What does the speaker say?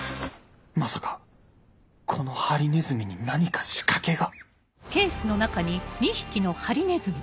まさかこのハリネズミに何か仕掛けが？